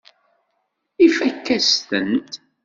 Ifakk-as-tent.